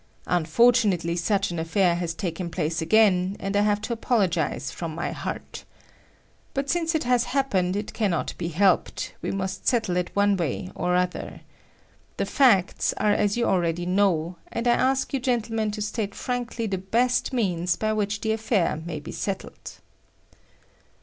Unfortunately such an affair has taken place again, and I have to apologize from my heart. But since it has happened, it cannot be helped; we must settle it one way or other. The facts are as you already know, and I ask you gentlemen to state frankly the best means by which the affair may be settled."